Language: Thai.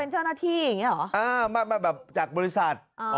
จะไปเป็นเจฬหน้าที่อย่างนี้เหรอ